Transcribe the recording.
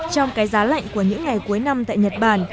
trong cái giá lạnh của những ngày cuối năm tại nhật bản